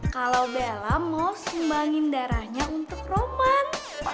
kalau bella mau sumbangin darahnya untuk roman